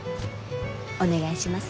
お願いします。